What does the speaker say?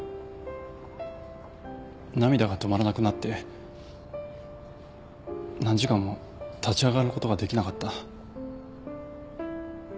涙が止まらなくなって何時間も立ち上がることができなかった。